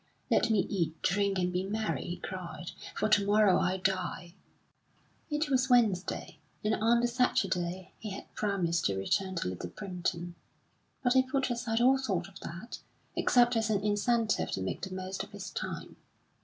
"Let me eat, drink, and be merry," he cried, "for to morrow I die!" It was Wednesday, and on the Saturday he had promised to return to Little Primpton. But he put aside all thought of that, except as an incentive to make the most of his time.